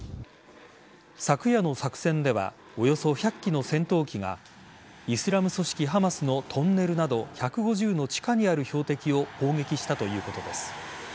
昨夜の作戦ではおよそ１００機の戦闘機がイスラム組織・ハマスのトンネルなど１５０の地下にある標的を攻撃したということです。